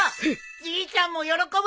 じいちゃんも喜ぶぜ！